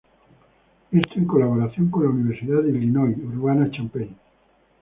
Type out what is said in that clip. Esto en colaboración con la Universidad de Illinois Urbana-Champaign.